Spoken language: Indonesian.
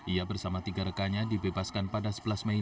ia bersama tiga rekannya dibebaskan pada sebelas mei